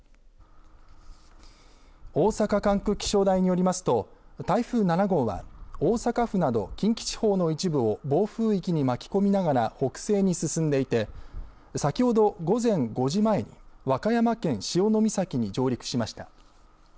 大阪管区気象台によりますと台風７号は大阪府など近畿地方の一部を暴風域に巻き込みながら北西に進んでいて先ほど午前５時前、和歌山県潮岬に上陸しました。